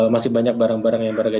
masih banyak barang barang yang berharga